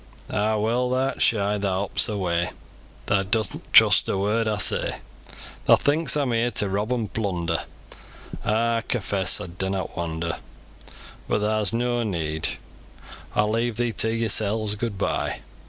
"A'a well! tha'rt shy, tha hops away, Tha doesn't trust a word aw say; Tha thinks aw'm here to rob an' plunder, An' aw confess aw dunnot wonder But tha's noa need; Aw'll leave yo to yorsels, gooid bye!